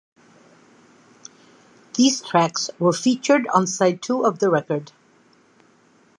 These tracks were featured on side two of the record.